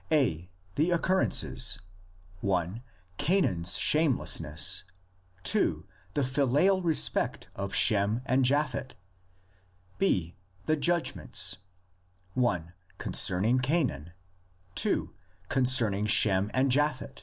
I. The occurrences: (i) Canaan's shameless ness; (2) the filial respect of Shem and Japhet; II. The judgments: (i) concerning Canaan; (2) con cerning Shem and Japhet.